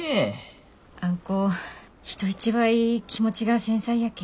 あん子人一倍気持ちが繊細やけん。